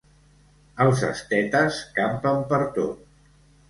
Els estetes campen pertot.